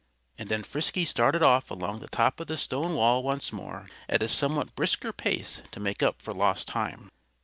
And then Frisky started off along the top of the stone wall once more, at a somewhat brisker pace to make up for lost time.